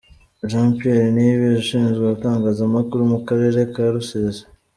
Jean Pierre Niyibizi ushinzwe Itangazamakuru mu Karere ka Rusizi .